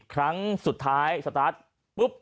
ครั้งสุดท้ายสตาร์ทปุ๊บ